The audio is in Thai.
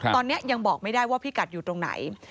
ตอนนี้ยังบอกไม่ได้ว่าพี่กัดอยู่ตรงไหน